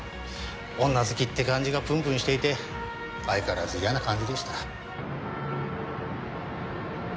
女好きって感じがプンプンしていて相変わらず嫌な感じでした。